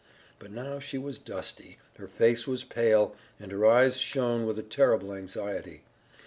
But now she was dusty, her face was pale, and her eyes shone with a terrible anxiety.